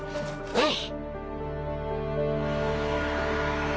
はい！